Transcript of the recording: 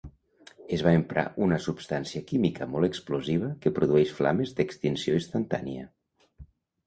Es va emprar una substància química molt explosiva que produeix flames d'extinció instantània.